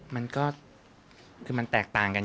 มันก็คือมันแตกต่างกัน